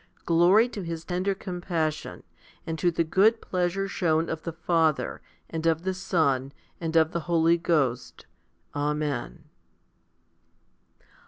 Glory to His tender compassion and to the good pleasure shewn of the Father, and of the Son, and of the Holy Ghost. Amen.